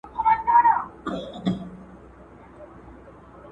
که د عقل خميره خلګو ته پخه نه سي، فکري واټن نه کمېږي.